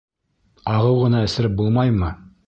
Ағыу ғына эсереп булмаймы?